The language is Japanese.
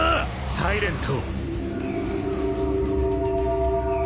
サイレント。